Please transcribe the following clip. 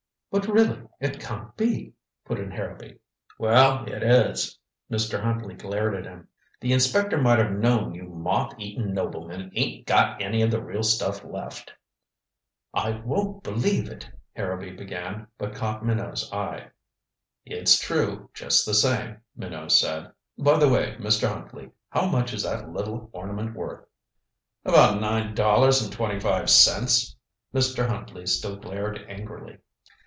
"But really it can't be " put in Harrowby. "Well it is," Mr. Huntley glared at him. "The inspector might have known you moth eaten noblemen ain't got any of the real stuff left." "I won't believe it " Harrowby began, but caught Minot's eye. "It's true, just the same," Minot said. "By the way, Mr. Huntley, how much is that little ornament worth?" "About nine dollars and twenty five cents." Mr. Huntley still glared angrily.